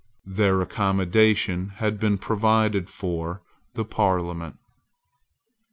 There accommodation had been provided for the parliament.